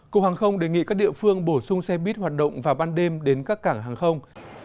cục hàng không đề nghị các địa phương bổ sung xe buýt hoạt động vào ban đêm đến các cảng hàng không